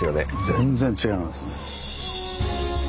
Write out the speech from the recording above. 全然違いますね。